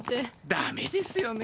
ダメですよね。